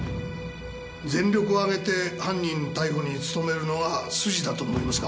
全力を挙げて犯人逮捕に努めるのが筋だと思いますが。